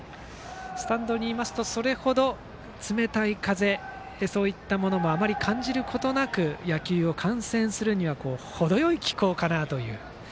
スタンドにいますとそれ程、冷たい風といったものもあまり感じることなく野球を観戦するのには程よい気候かなという。